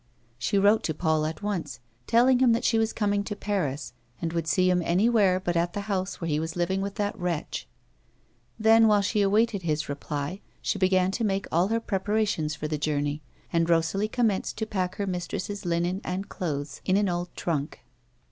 She wrote to Paul at once, telling him that she was coming to Paris, and would see him anywhere but at the house where he was living with that wretch. Then, while she awaited his reply, she began to make all her prepara 232 A WOMAN'S LIFE. tions for the journey, and Rosalie commenced to pack her mistress's linen and clothes in an old trunk.